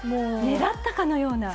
狙ったかのような。